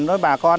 đối với bà con